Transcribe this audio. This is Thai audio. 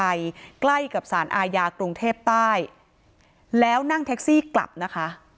ใกล้กับสารอาญากรุงเทพใต้แล้วนั่งแท็กซี่กลับนะคะ